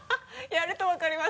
やると分かりますね